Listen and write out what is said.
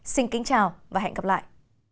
xin kính chào và hẹn gặp lại